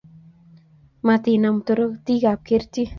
Matinam toritikab kertii